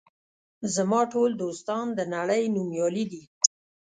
زما ټول دوستان د نړۍ نومیالي دي.